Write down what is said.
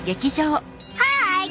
はい！